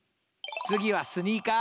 次はスニーカー。